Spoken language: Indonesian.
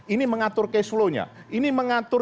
ini mengatur cash flow nya ini mengatur